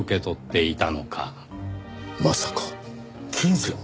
まさか金銭を？